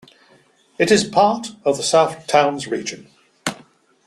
It is part of the Southtowns region.